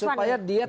supaya dia tahu